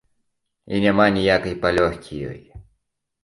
І няма ніякай палёгкі ёй.